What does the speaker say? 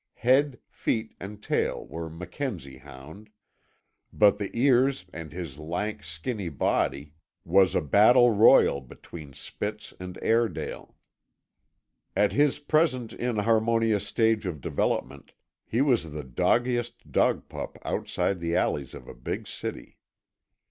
Head, feet, and tail were Mackenzie hound, but the ears and his lank, skinny body was a battle royal between Spitz and Airedale. At his present inharmonious stage of development he was the doggiest dog pup outside the alleys of a big city.